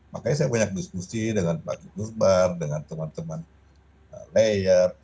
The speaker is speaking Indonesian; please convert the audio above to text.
makanya saya banyak diskusi dengan pak gubernur dengan teman teman layer